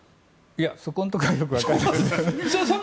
そこのところはよくわかりません。